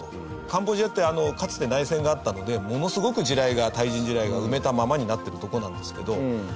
カンボジアってかつて内戦があったのでものすごく地雷が対人地雷が埋めたままになってるとこなんですけど。